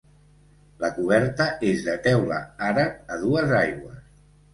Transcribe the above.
La coberta és de teula àrab a dues aigües.